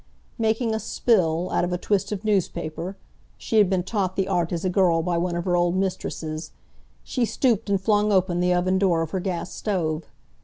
Making a "spill" out of a twist of newspaper—she had been taught the art as a girl by one of her old mistresses—she stooped and flung open the oven door of her gas stove.